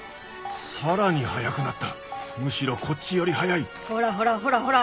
さらに早くなったむしろこっちより早いほらほらほらほら！